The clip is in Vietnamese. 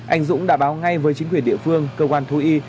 anh dũng đã báo ngay với chính quyền địa phương cơ quan thú y